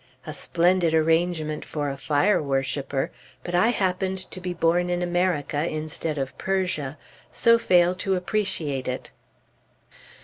A splendid arrangement for a Fire Worshiper; but I happened to be born in America, instead of Persia, so fail to appreciate it.